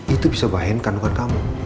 itu bisa bahayakan kandungan kamu